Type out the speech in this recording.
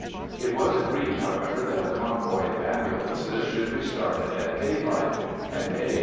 It was agreed, however, that a convoy of ambulances should be started at daylight, and A.